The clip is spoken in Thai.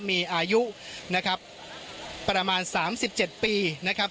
มีอายุนะครับประมาณสามสิบเจ็ดปีนะครับ